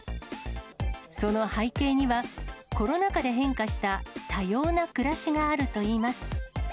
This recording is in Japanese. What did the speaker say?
その背景には、コロナ禍で変化した多様な暮らしがあるといいます。